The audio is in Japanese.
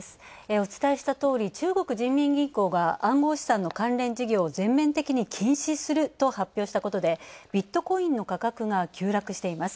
お伝えしたとおり、中国人民銀行が暗号資産の関連事業を全面的に禁止すると発表したことでビットコインの価格が急落しています。